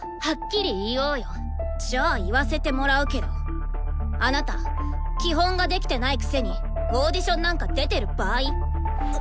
じゃあ言わせてもらうけどあなた基本ができてないくせにオーディションなんか出てる場合？